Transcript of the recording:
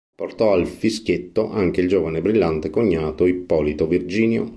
Portò al "Fischietto" anche il giovane e brillante cognato Ippolito Virginio.